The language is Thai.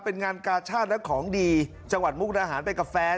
เป็นงานกาชาติและของดีจังหวัดมุกดาหารไปกับแฟน